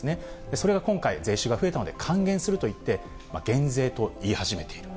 それが今回、税収が増えたので還元すると言って、減税と言い始めている。